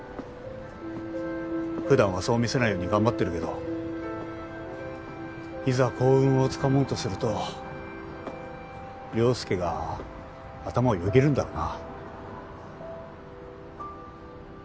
普段はそう見せないように頑張ってるけどいざ幸運を掴もうとすると亮介が頭をよぎるんだろうな。